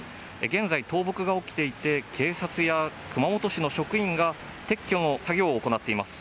現在、倒木が起きていて警察や熊本市の職員が撤去の作業を行っています。